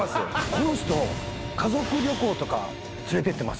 この人家族旅行とか連れてってます